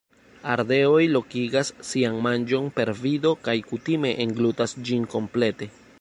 Ardeoj lokigas sian manĝon per vido kaj kutime englutas ĝin komplete.